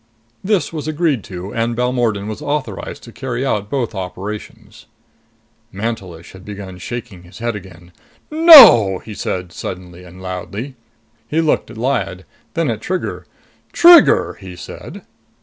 This was agreed to; and Balmordan was authorized to carry out both operations. Mantelish had begun shaking his head again. "No!" he said suddenly and loudly. He looked at Lyad, then at Trigger. "Trigger!" he said.